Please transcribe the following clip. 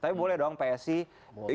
tapi boleh dong psi